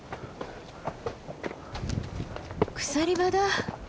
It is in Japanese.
鎖場だ。